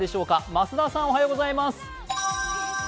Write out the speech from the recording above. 増田さん、おはようございます。